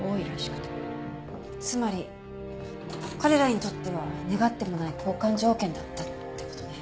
つまり彼らにとっては願ってもない交換条件だったって事ね。